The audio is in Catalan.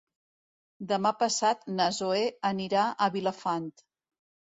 Demà passat na Zoè anirà a Vilafant.